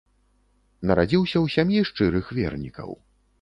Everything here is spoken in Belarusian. Нарадзіўся ў сям'і шчырых вернікаў.